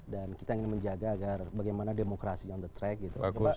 kita ingin menjaga agar bagaimana demokrasi on the track gitu